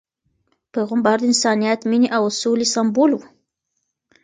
پیغمبر د انسانیت، مینې او سولې سمبول و.